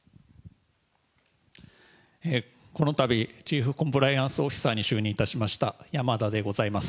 このたびチーフコンプライアンスオフィサーに就任いたしました山田でございます。